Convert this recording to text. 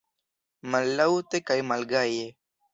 Mallaŭte kaj malgaje.